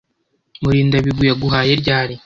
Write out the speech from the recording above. Murindabigwi yaguhaye ryari?